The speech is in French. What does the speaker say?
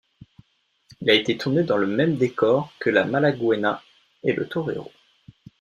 Il a été tourné dans le même décor que La Malagueña et le Torero.